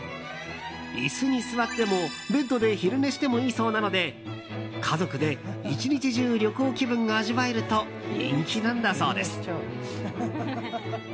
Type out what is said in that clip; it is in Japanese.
椅子に座ってもベッドで昼寝をしてもいいそうなので家族で１日中旅行気分が味わえると人気なんだそうです。